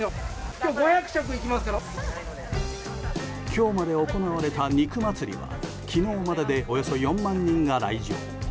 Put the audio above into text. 今日まで行われた肉祭は昨日まででおよそ４万人が来場。